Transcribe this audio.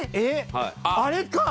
あれか！